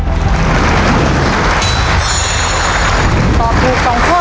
ต่อไป๓ข้อรักมีแสนค่ะ